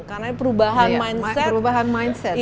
karena perubahan mindset